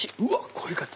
こういう感じ。